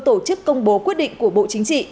tổ chức công bố quyết định của bộ chính trị